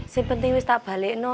sepenting wis tak balik noh